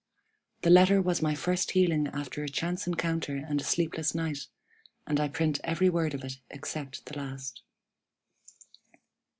The letter was my first healing after a chance encounter and a sleepless night; and I print every word of it except the last.